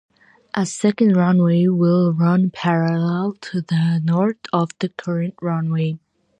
A second runway will run parallel to the north of the current runway.